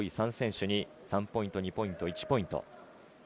上位３選手に３ポイント、２ポイント、１ポイント。